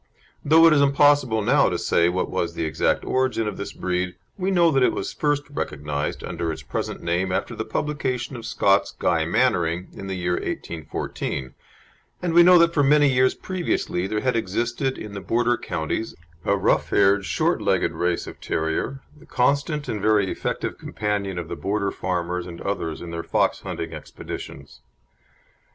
Though it is impossible now to say what was the exact origin of this breed, we know that it was first recognised under its present name after the publication of Scott's Guy Mannering, in the year 1814, and we know that for many years previously there had existed in the Border counties a rough haired, short legged race of terrier, the constant and very effective companion of the Border farmers and others in their fox hunting expeditions.